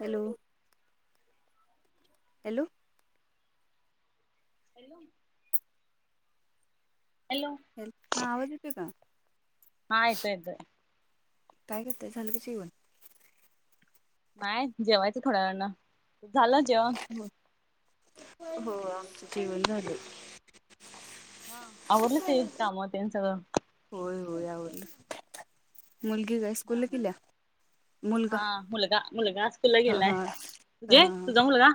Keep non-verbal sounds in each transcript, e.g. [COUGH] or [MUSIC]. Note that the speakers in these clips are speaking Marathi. Hello. Hello. Hello. Hello. Hello हा आवाज येतोय का? हा येतोय, येतोय. काय करतय झालं का जेवण? नाही जेवायचं थोड्या वेळान. झालं जेवण? हो आमचं जेवण झाल. हा आवरलं असेल काम त्यांच. होय, होय आवरल मुलगी काय स्कूलला गेली या? हा मुलगा, मुलगा स्कुलला ह गेलाय. हा जे ह तुझा मुलगा?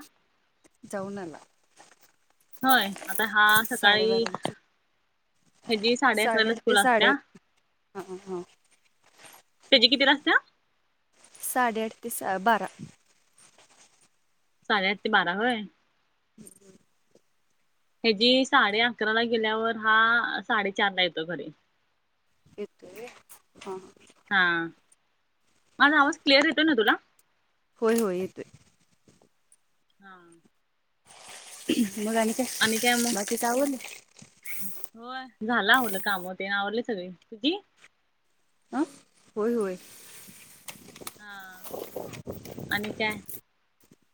जाऊन आला. होय आता हा सकाळी साडेबाराची ह्याजी साडे अकराला स्कूल असतेया. हां हां हां. त्याची कितीला असते या? साडे आठ ते बारा. साडे आठ ते बारा होय. हं हम्म ह्याजी साडे अकराला गेल्यावर हा साडेचारला येतो घरी येतो व्हय हा हा हा माझा आवाज क्लिअर येतो ना तुला होय होय येतोय. हा. मग आणि काय बाकीच आवरलं होय झाला आवरला काम ते ना आवरले सगळी तुझी हं होय होय. हा [UNINTELLIGIBLE] आणि काय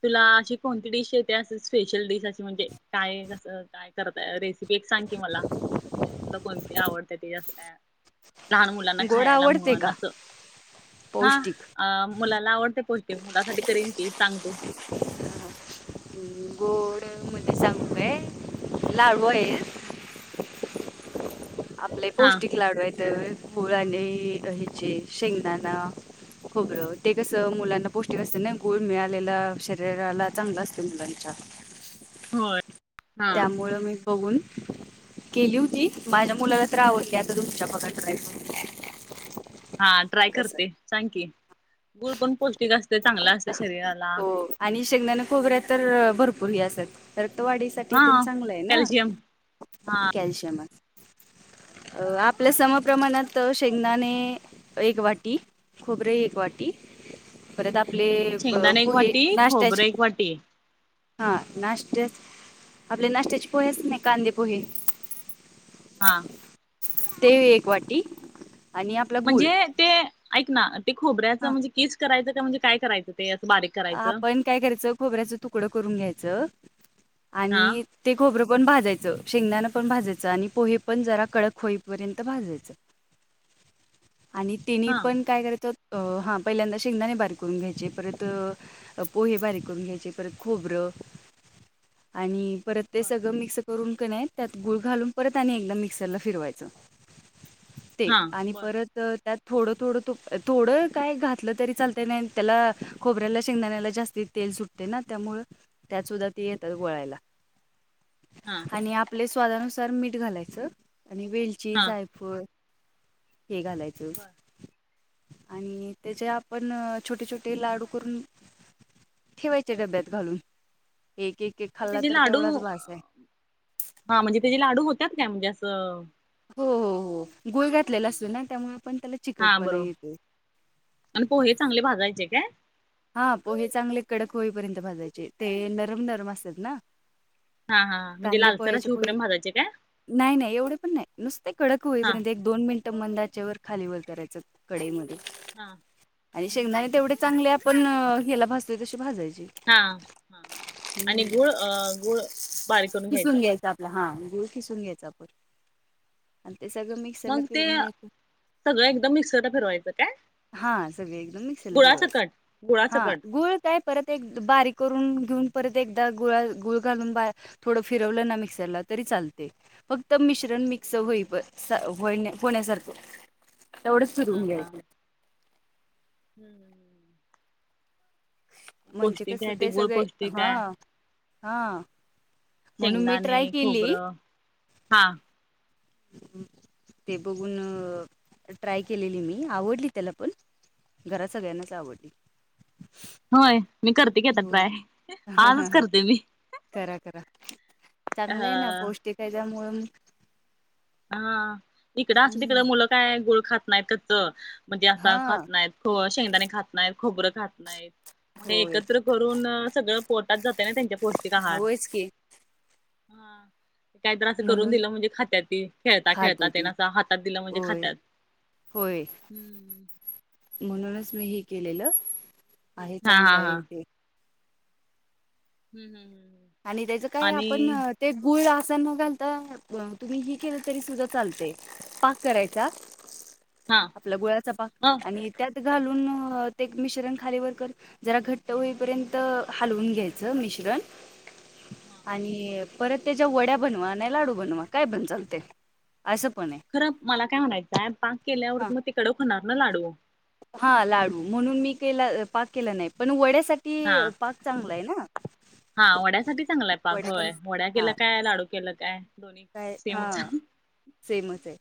तुला अशी कोणती डिश येते अस स्पेशल डिश अशी म्हणजे काय कसं काय करता रेसिपी एक सांग की मला तुझ्या तुला कोणती आवडत ती असं काय लहान मुलांना गोड खायाला आवडते म्हण का असं हा पौष्टिक अ मुलाला आवडते पोयती मुलासाठी करीन की सांग तू हा हा गोड मध्ये सांगू काय लाडू आहे. हा आपले हा पौष्टिक लाडू आहेत गुळ आणि ह्याचे शेंगदाणा खोबरं ते कस मुलांना पौष्टिक असते ना गुळ मिळालेला शरीराला चांगला असतो मुलांच्या होय. हा त्यामुळ मी बघून केली होती माझ्या मुलाला तर आवडली आता तुमच्या बघा ट्राय करून हा ट्राय करते सांग की गुळ पण पौष्टिक असते चांगलं असते शरीराला हो आणि शेगदाना खोबऱ्यात तर भरपूर हे असतात. रक्तवाढीसाठी हा तेनं चांगलंय ना कॅल्शियम कॅल्शियम हाय. अ आपल्या समप्रमाणात त शेंगदाणे एक वाटी, खोबर एक वाटी परत आपले प शेंगदाणे एक पोहे वाटी खोबरं नाश्त्याचे एक वाटी हा नाष्टाच आपल्या नाष्ट्याचे पोहे असतात ना कांदे पोहे हा ते एक वाटी आणि आप म्हणजे ते ऐक ना ते खोबऱ्याचं हां म्हणजे किस करायचं का म्हणजे काय करायचं ते असं बारीक करायचं. आपण काय करायचं खोबऱ्याच तुकडं करून घ्यायचं हा आणि ते खोबरं पण भाजायचं शेंगदाण पण भाजायचं आणि पोहे पण जरा कडक होईपर्यंत भाजायचं. [UNINTELLIGIBLE] आणि तीनी हा पण काय करायचं अ हा पहिल्यांदा शेंगदाणे बारीक करून घ्यायचे परत अ पोहे बारीक करून घ्यायचे परत खोबरं आणि परत ते बर सगंळ मिक्स करून कणय त्यात गुळ घालून परत आणि एकदा मिक्सरला फिरवायच. ते हा आणि बर परत अ त्यात थोडं थोडं तूप थोडं काय घातलं तरी चालत नाय त्याला खोबऱ्याला शेंगदाण्याला जास्ती तेल सुटते ना त्यामुळ त्यात सुद्धा ते येतात गोळायला. हा आणि आपले स्वादानुसार मीठ घालायचं आणि वेलची हा जायफळ हे घालायचं. बर आणि त्याचे आपण अ छोटे छोटे लाडू करून ठेवायचे डब्यात घालून एक एक एक मग खाल्ला त्याचे तर लाडू तेवढाच अ भास आहे हा म्हणजे त्याचे लाडू होत्यात काय म्हणजे असं हो हो हो गुळ घातलेला असतो ना त्यामुळे आपण त्याला हा चिकटपणा बरोबर येते आणि पोहे चांगले भाजायचे काय? हा पोहे चांगले कडक होई पर्यंत भाजायचे ते नरम, नरम असतात ना. हा हा हा. म्हणजे कांदे लालसर पोह्याचे असे पोहे हुपऱ्यान भाजायचे काय नाही, नाही एवढे पण नाही नुसते कडक हा होईपर्यंत एक दोन मिनटं मंद आचेवर खाली व करायच कढई मध्ये हा आणि हम्म, शेंगदा हम्म. तेवढ चांगले आपण ह्याला भाजतोय तशे भाजायचे. हा हा आणि गुळ गुळ बारिक करून घ्यायचा. हा गुळ खिसून घ्यायच आपण आणि ते सगळं मिक्स झाला मग ते फिरून घ्यायच. सगळं एकदम मिक्सरला फिरवायचं काय हा सगळे एकदम मिक्सरला फिरवायचं गुळासगट? हा गूळ काय परत एक बारीक करून घेऊन परत एकदा गुळा गुळ घालून थोड फिरवलना मिक्सरला तरी चालते. फक्त मिश्रण मिक्स होईल हो होण्यासारख. हा हा हम्म. म्हणजे पौष्टिक कस आहे ते गुळ सगळे पौष्टिक हा आहे हा. म्हणून मी ट्राय केली. हां. ते बघून ट्राय केलेली मी आवडली त्याला पण. घरात सगळ्यांनाच आवडतील. होय मी करते की आता ट्राय आजच होय करते मी. करा करा अ चांगलं आहे ना पौष्टिक त्याच्यामुळ हा इकड असत तिकड मुलं काय गुळ खात नाहीयत त्याच म्हणजे हा असं खात नाहीत ख शेंगदाणे खात नाहीत, खोबरं खात नाहीत. म हे होय एकत्र करून सगळं पोटात जात आहे ना त्यांच्या पौष्टिक आहार. [UNINTELLIGIBLE] हा काही तर अस करून म्हणून दिलं म्हणजे खात्यातते. खेळता, खेळता खाते ती त्यांना अस हातात दिलं म्हणजे होय खात्यात होय हम्म. म्हणूनच मी हे केलेलं आहे हा चांगल हा हा आहे ते. हम्म, हम्म.. आणि त्याच काय आणि आपण ते गुळ अस न घालता तुम्ही ही केलं तरी सुद्धा चालते. पाक करायचा हा आपला गुळाचा पाक अ आणि त्यात घालून म ते मिश्रण खाली, वर करुन जरा घट्ट होईपर्यंत हालवून घ्यायचं मिश्रण हां. आणि परत त्याच्या वड्या बनवा नाय, लाडू बनवा काय पण चालते असं पण आहे. खरं मला काय म्हणायचं आहे पाक केल्यावर हा मग ते कडक होणार ना लाडू? हा लाडू म्हणून मी केला पाक केला नाही पण वड्यासाठी हा पाक चांगला आहे ना हा वड्यासाठी चांगला आहे पाक वड्या पण होय वड्या केला हा काय लाडू केल काय. दोन्ही काय हा सेमच सेमच आहे.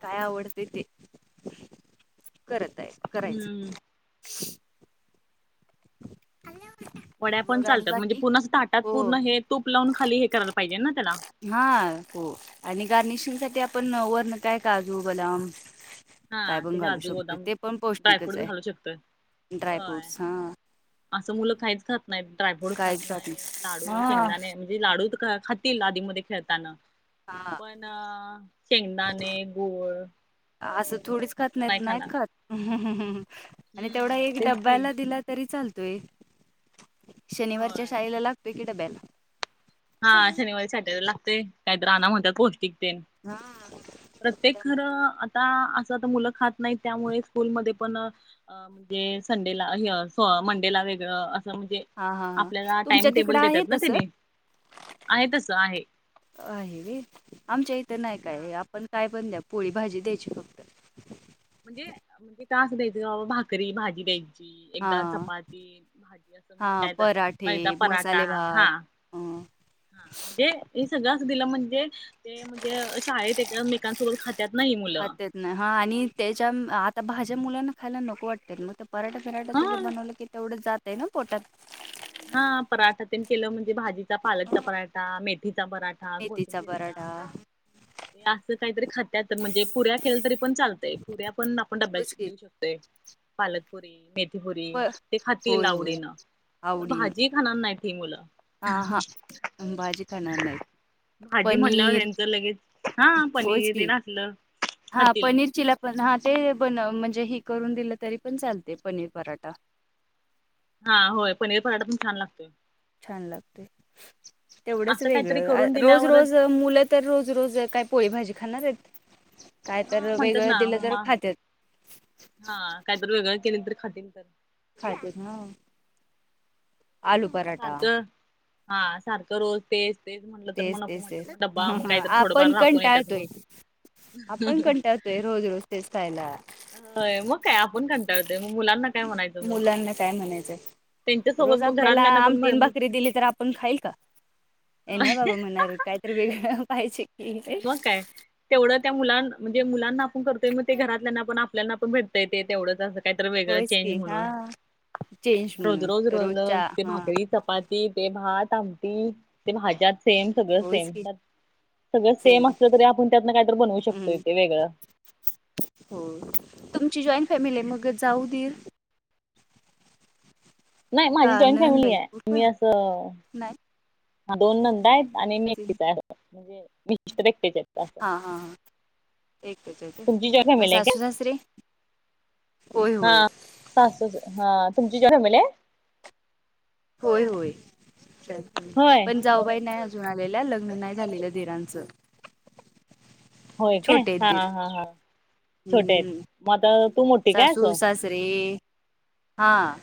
काय आवडते ते करत आहे करायचं. हम्म हॅलो. वड्या पण चालतात म्हणजे पूर्ण ताटात हो पूर्ण हे तूप लावून खाली हे करायला पाहिजे ना त्याला. हा हो आणि गार्निशिंग साठी आपण वर्ण काय काजू, बदाम काय हा पण ते घालू काजू शकतो बदाम ते पण पौष्टिकच ड्रायफ्रूट घालू शकतोय आहे ड्राय होय फ्रूटस हा. असं मुलं काहीच खात नाहीत ड्रायफ्रूट खात काहीच नाहीत, लाडू, नाही शेंगदाणे, लाडू खातील आदीमध्ये खेळताना. हा पण शेंगदाणे, गुळ, असं थोडीच खात असलं नाही नाहीत, खाणार नाहीत खात आणि तेवढा हम्म एक तेच की डब्ब्याला दिलात तरी चालतोय, शनिवारच्या होय शाळेला लागतोय की डब्याला. हा शनिवारी, सॅटरडे लागतय, नाहीतर आना म्हणत्यात पौष्टिकतेन हा! प्रत्येक खर आता असं त मुलं खात नाही त्यामुळे स्कूलमध्ये पण अ म्हणजे संडेला हे सो मंडेला वेगळं असं म्हणजे हा हा हा आपल्याला टाइम तुमच्या तिकडं टेबल, आहे देतात ना तसं तीने आहे तस आहे. आहे रे आमच्या इथं नाही हा काय, आपण काय पण द्या पोळी भाजी द्यायची फक्त. म्हणजे, मि त अस द्यायचं अवो भाकरी, भाजी, द्यायची एकदा, हा चपाती. हां, पराठे, नाही त पराठा मसाले हा भात अ, हा दे हे सगळं अस दिलं म्हणजे, ते म्हणजे शाळेत एकांमेका सोबत खात्यात ना ही मुलं. हा आणि त्याच्या आता भाज्या, मुलांना खायला नको वाटत मग त पराठा फिराठा ते झ हा बनवलं की तेवढं जातय ना पोटात. हा पराठा त्यांनी केलं म्हणजे भाजीचा पालकचा पराठा, मेथठीचा पराठा, मेथीचा कोथिंबीरचा बरडा. ते असं काहीतरी खात्यात, म्हणजे पुऱ्या केल तरी पण चालतय, पुऱ्या पण आपण डब्या होयच की. देऊ शक पालकपुरी, मेथीपुरी, प ते खातील होय, होय. आवडीन. पण भाजी, खाणार नाहीत ही मुलं. आ हा भाजी खाणार नाहीत. भाजी म्हनल्यावर पनीर ह्याचं लगेच हा होयच पनीर, ते की. ना सलं हां, खातील. पनीर चिला पण हा ते बन, म्हणजे ही करून दिलं तरी पण चालते पनीर पराठा. हा होय पनीर पराठा, पण छान लागतोय. छान लागतय पण तेवढंच असं काहीतरी वेगळं आ करून रोज, दिल्यावरच रोज मुलं तर रोज, रोज काय पोळी भाजी खाणार आहेत काय हा तर म्हणतात वेगळं ना दिलं तर मम्मा खात्यात. हा काहीत वेगळं केले तर खातील तर. खातेत ना. आलू पराठा सारखं हा सारखं रोज तेज तेच म्हटलं तर तेच म नको तेच म्हणत्यात, तेच मग डब्बा म काही तर थोडफार आपण राकून येतात कंटाळतोय म. ते रोज रोज तेस खायला अ मग काय आपुण कंटाळते म मुलांना काय म्हणायचं मग मुलांना काय म्हणायचं रोज त्यांच्यासोबत मग आपल्याला घरातल्यांना पण आमटीन, म्हण भाकरी, दिली तर आपण खाईल का? ये नही बाबा म्हणणार काहीतरी वेगळं गा पाहियजे मग काय तेवढं त्या मुलां म्हणजे मुलांना आपुण करतोय, मग ते घरातल्यांना पण आपल्याना पण भेट ते ते तेवढंच अस काहीतर वेगळं होयच चेंज की म्हणून हा चेंज रोज, म्हणून रोज र ल रोजच्या ते हा भाकरी चपात ती ते भात आमटी ते भाज्यात सेम सगळं होयच सेम. की सगळं सेम असलं तरी, आपुण त्यातन कायतरी बनवू शकतोय हम्म ते वेगळं. हो तुमची जॉईंट फॅमिली मग जाऊ दिर [INAUDIBLE] नाही माझी का जॉईंट फॅमिली ननंदबाई आहे कुठं मी असं हा दोन नंदा आहेत, आणि मि नाही एकटीच आहे, म्हणजे मिस्टर एकटेच आहेत. असं हा हा एकच आहे त तुमची जॉईंट म फॅमिली आहे का सासू सासरें होय, होय. सासु च हा तुमची जॉईन फॅमिली आहे. होय, होय, च होय. जाऊबाई नाही अजून आलेल्या, लग्न नाही झालेल्या दिरांचं. होय काय छोटे आहेत हा, दीर हा, हा छोटे आहेत, हम्म म आता तू मोठी काय अस तरी हा!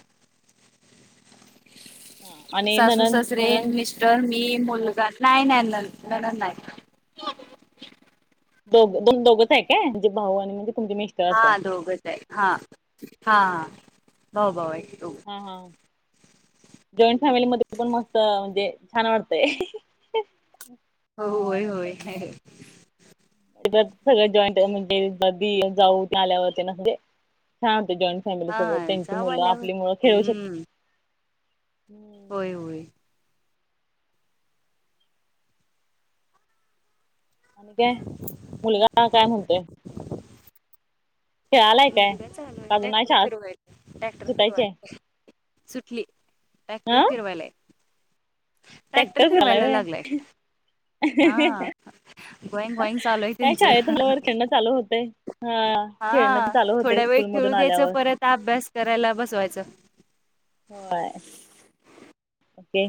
हा आणि सासू ननंद सासरे न ननंद मिश तर मी मुलगा नाही नाही न ननद नाही. दो दोन दोघंच हाय काय? जे भाऊ आणि म्हणजे तुमची तुम्ही हा दोघच हाय हा हा हा. हा हा हा. जॉईंट फॅमिलीमध्ये पण मस्त म्हणजे छान वाटतय. व्हय व्हय काय? सगळे जॉईंट अ म्हणजे दिर जाऊ तेन, आल्यावरती तेन आस छान वाटतंय जॉईंट फॅमिली हा सोबत त्यांची जाऊ मुलं आल्यावर आपली मुलं खेळू शकत. हम्म होय होय. आणि काय मुलगा काय म्हणतोय? खेळालाय काय? मुंगिगत चालू हाय अजून नाही ट्रॅक्टर शाळा फिरवाय, ट्रॅक्टर सुटायची फिरवाय आहे सुटली. टॅक्टर हं फिरवायलाय. ट्रॅक्टर झालाय फिरवायला लागलाय व्हय. हा [UNINTELLIGIBLE] गोईंग गोईंग चालू आहे काय शाळेतून त्यांचं आल्यावर खेळणं चालू होतय. हां. हा थोड्या वेळ खेळू द्यायचं, परत अभ्यास करायला बसवायचं. व्हय. ओके.